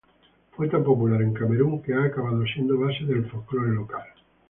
Fue tan popular en Camerún que ha acabado siendo base de folclore local.